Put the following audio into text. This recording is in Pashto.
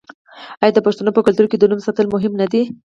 آیا د پښتنو په کلتور کې د نوم ساتل مهم نه دي؟